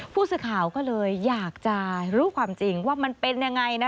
ผู้สื่อข่าวก็เลยอยากจะรู้ความจริงว่ามันเป็นยังไงนะ